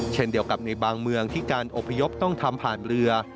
เช่นเดียวกับในบางเมืองที่การอบพยพต้องทำผ่านเรือ